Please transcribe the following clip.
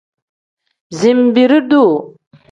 Zinbiri-duu.